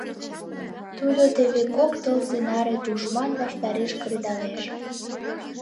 Тудо теве кок тылзе наре тушман ваштареш кредалеш.